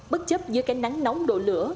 bất chấp dưới cái nắng nóng độ lửa